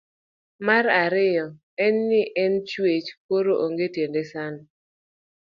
Mar ariyo en ni en chwech koro onge tiende sando